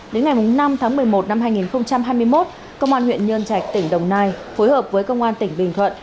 đến ngày năm tháng một mươi một năm hai nghìn hai mươi một công an huyện nhân trạch tỉnh đồng nai phối hợp với công an tỉnh bình thuận